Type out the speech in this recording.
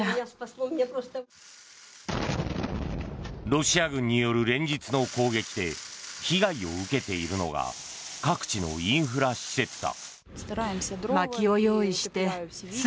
ロシア軍による連日の攻撃で被害を受けているのが各地のインフラ施設だ。